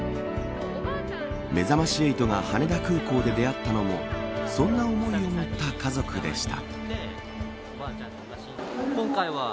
めざまし８が羽田空港で出会ったのもそんな思いを持った家族でした。